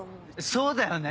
そうだよね？